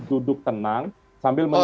duduk tenang sambil menurut